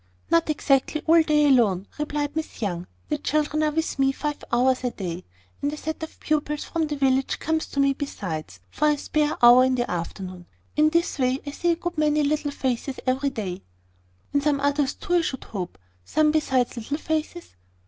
"Not exactly all the day alone," replied Miss Young; "the children are with me five hours a day, and a set of pupils from the village comes to me besides, for a spare hour of the afternoon. In this way I see a good many little faces every day." "And some others too, I should hope; some besides little faces?"